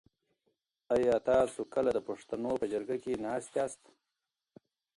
آیا تاسو کله د پښتنو په جرګه کي ناست یاست؟